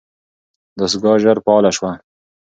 دستګاه ژر فعاله شوه.